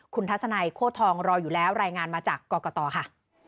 คุณทัศนัยโค้ทองรออยู่แล้วรายงานมาจากกรกตค่ะ